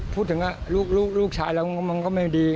พูดถึงลูกชายแล้วมันก็ไม่ดี